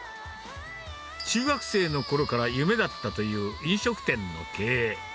中学生のころから夢だったという飲食店の経営。